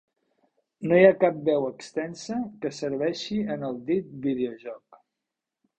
No hi ha cap veu extensa que serveixi en el dit videojoc.